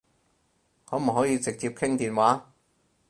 可唔可以直接傾電話？